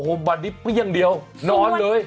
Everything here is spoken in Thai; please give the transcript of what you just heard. โหมันบาร์ดิปเปลี้ยงเดี่ยวนอนเลย